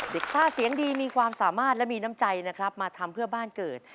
ซ่าเสียงดีมีความสามารถและมีน้ำใจนะครับมาทำเพื่อบ้านเกิด